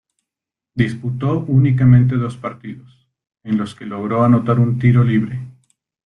Disputó únicamente dos partidos, en los que logró anotar un tiro libre.